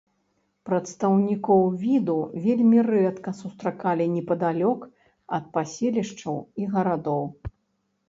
Прадстаўнікоў віду вельмі рэдка сустракалі непадалёк ад паселішчаў і гарадоў.